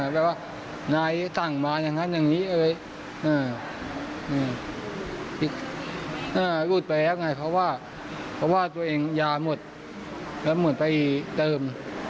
แบบว่านายข้างมาอย่างนั้นอย่างนี้พี่ลูกอะไรทำไงว่าเพราะว่าตัวเองยาหมดแล้วหมดไปเติม